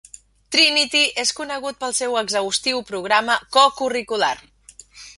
Trinity és conegut pel seu exhaustiu programa co-curricular.